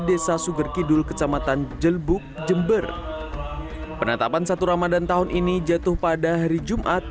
desa suger kidul kecamatan jelbuk jember penetapan satu ramadhan tahun ini jatuh pada hari jumat